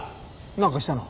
なんかしたの？